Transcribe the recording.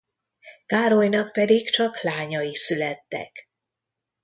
Károlynak pedig csak lányai születtek.